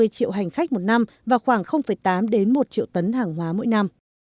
năm mươi triệu hành khách một năm và khoảng tám đến một triệu tấn hàng hóa mỗi năm